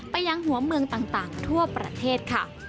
ไปยังหัวเมืองต่างทั่วประเทศค่ะ